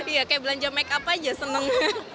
iya kayak belanja make up aja seneng